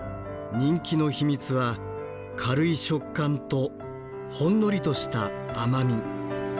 人気の秘密は軽い食感とほんのりとした甘み。